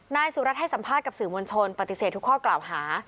นายสุรัตนให้สัมภาษณ์กับสื่อมวลชนปฏิเสธทุกข้อกล่าวหา